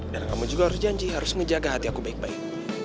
dan kamu juga harus janji harus menjaga hati aku baik baik